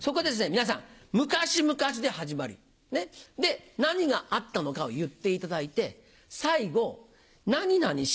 皆さん「むかしむかし」で始まりで何があったのかを言っていただいて最後「何々し」。